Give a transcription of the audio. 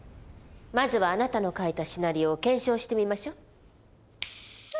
まずはあなたの書いたシナリオを検証してみましょう。